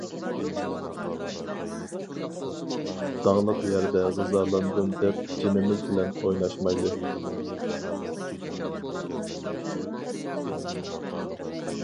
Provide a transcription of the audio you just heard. داڭلىق يەردە غىزالاندىم دەپ جىنىمىز بىلەن ئويناشمايلى!